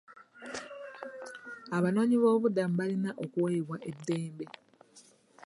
Abanoonyiboobubudamu balina okuweebwa eddembe.